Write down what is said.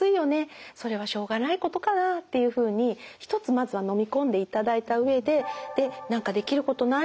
それはしょうがないことかなっていうふうに一つまずは飲み込んでいただいた上で何かできることない？